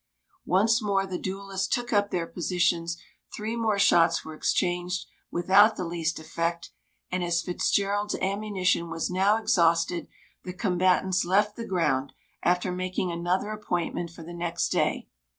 Once more the duellists took up their positions, three more shots were exchanged without the least effect, and, as Fitzgerald's ammunition was now exhausted, the combatants left the ground, after making another appointment for the next day.